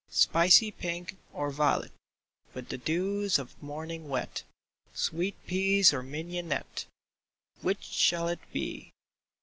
Spicy pink, or violet With the dews of morning wet, Sweet peas or mignonette — Which shall it be